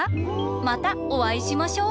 またおあいしましょう！